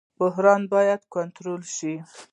بحران باید کنټرول شي